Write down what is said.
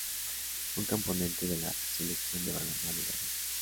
Fue un componente de la Selección de balonmano de Rusia.